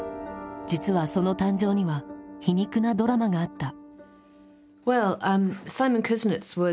実はその誕生には皮肉なドラマがあった。